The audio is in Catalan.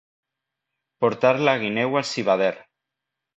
Portar la guineu al civader.